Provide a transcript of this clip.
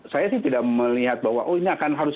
saya sih tidak melihat bahwa oh ini akan harus